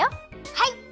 はい！